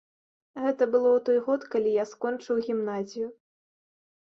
Гэта было ў той год, калі я скончыў гімназію.